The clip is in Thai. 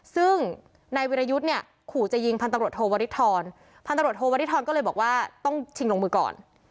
ซึ่งนายวิรยุทธ์เนี่ยขู่จะยิงพันตำรวจโทวริทรพันตำรวจโทวริทรก็เลยบอกว่าต้องชิงลงมือก่อน